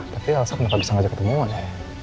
tapi elsa kenapa bisa ngajak ketemuan ya